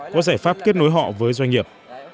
có giải pháp kết nối họ với doanh nghiệp